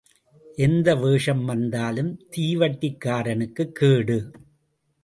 எந்த வேஷம் வந்தாலும் தீவட்டிக்காரனுக்குக் கேடு.